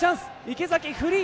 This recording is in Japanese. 池崎、フリー。